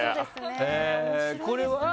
これは？